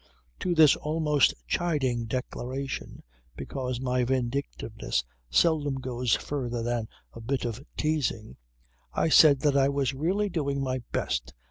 To this almost chiding declaration because my vindictiveness seldom goes further than a bit of teasing I said that I was really doing my best.